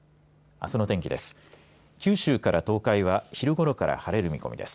あすの天気です。